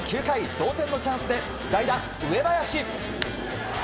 ９回同点のチャンスで代打、上林。